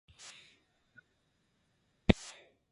階段ビクビク六丁目